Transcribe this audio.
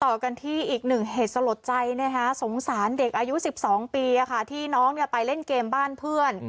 ต่อกันที่อีกหนึ่งเหตุสลดใจสงสารเด็กอายุ๑๒ปีที่น้องไปเล่นเกมบ้านเพื่อน